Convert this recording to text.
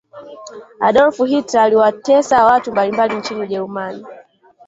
adolf hitler aliwateso watu mbalimbali nchini ujerumani